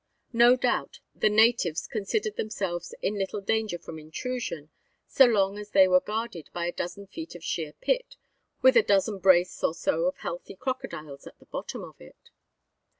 No doubt the natives considered themselves in little danger from intrusion, so long as they were guarded by a dozen feet of sheer pit, with a dozen brace or so of healthy crocodiles at the bottom of it.